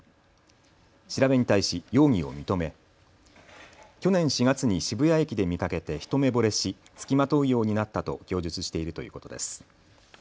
調べに対し容疑を認め去年４月に渋谷駅で見かけて一目ぼれし付きまとうようになったと供述しているということです。